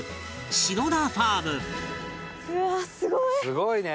すごいね！